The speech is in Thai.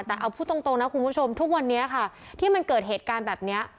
แต่เอาพูดตรงนะคุณผู้ชมทุกวันนี้ค่ะที่มันเกิดเหตุการณ์แบบนี้